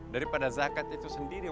daripada zakat itu sendiri